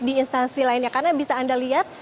di instansi lainnya karena bisa anda lihat